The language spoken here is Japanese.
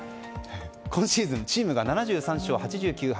今シーズン、チームは７３勝８９敗。